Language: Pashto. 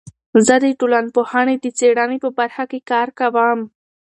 زه د ټولنپوهنې د څیړنې په برخه کې کار کوم.